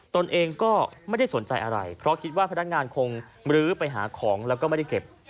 ตนเองก็ไม่ได้สนใจอะไรเพราะคิดว่าพนักงานคงมรื้อไปหาของแล้วก็ไม่ได้เก็บ